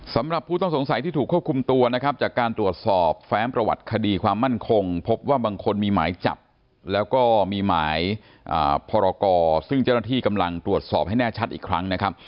สำหรับผู้ต้องสงสัยที่ถูกควบคุมตัวนะครับจากการตรวจสอบแฟ้มประวัติคดีความมั่นคงพบว่าบางคนมีหมายจับแล้วก็มีหมายพรกรซึ่งเจ้าหน้าที่กำลังตรวจสอบให้แน่ชัดอีกครั้งนะครับ